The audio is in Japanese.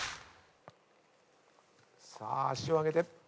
さあ足を上げて。